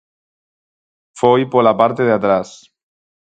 Foi pola parte de atrás.